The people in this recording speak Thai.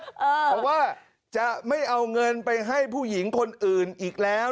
เพราะว่าจะไม่เอาเงินไปให้ผู้หญิงคนอื่นอีกแล้ว